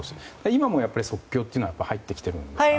今も即興というのは入ってきているんですか？